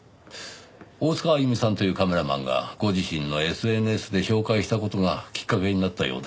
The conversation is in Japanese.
大塚あゆみさんというカメラマンがご自身のＳＮＳで紹介した事がきっかけになったようです。